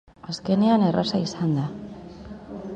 Azkenean erraza izan da.